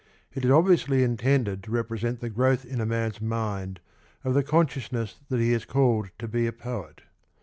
It is obviously intended to represent the growth in a man's* ^V mind of the consciousness that he is called to be a poet.